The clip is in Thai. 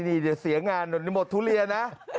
นี่เดี๋ยวเสียงานตอนนี้หมดทุเรียนนะ